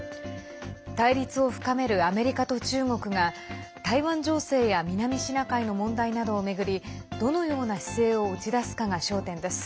対立を深めるアメリカと中国が台湾情勢や南シナ海の問題などを巡りどのような姿勢を打ち出すかが焦点です。